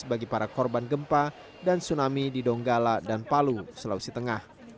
bagi para korban gempa dan tsunami di donggala dan palu sulawesi tengah